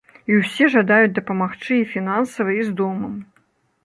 І ўсе жадаюць дапамагчы і фінансава і з домам.